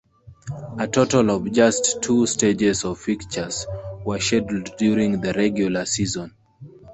A total of just two "stages" of fixtures were scheduled during the regular season.